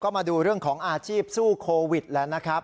มาดูเรื่องของอาชีพสู้โควิดแล้วนะครับ